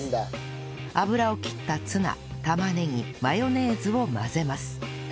油を切ったツナ玉ねぎマヨネーズを混ぜます